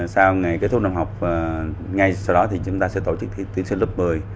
sau ngày kết thúc năm học ngay sau đó thì chúng ta sẽ tổ chức thí sinh lớp một mươi